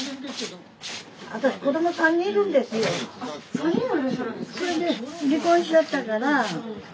３人もいらっしゃるんですか。